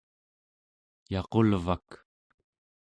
yaqulvak